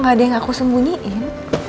gak ada yang aku sembunyiin